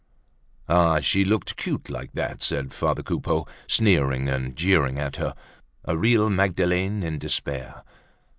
Ah! she looked cute like that said father Coupeau, sneering and jeering at her, a real Magdalene in despair!